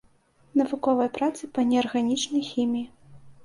Навуковыя працы па неарганічнай хіміі.